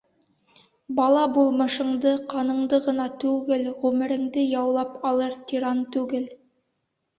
Бала булмышыңды, ҡаныңды ғына түгел, ғүмереңде яулап алыр тиран түгел.